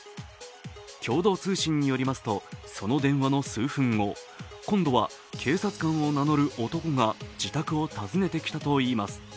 共同通信によりますと、その電話の数分後、今度は警察官を名乗る男が自宅を訪ねてきたといいます。